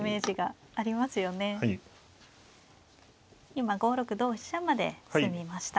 今５六同飛車まで進みました。